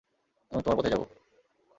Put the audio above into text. আমি তোমার পথেই যাবো।